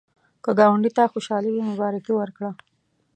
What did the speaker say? که ګاونډي ته خوشالي وي، مبارکي ورکړه